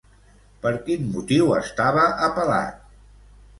Per quin motiu estava apel·lat?